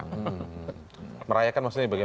tidak merayakan seperti sekarang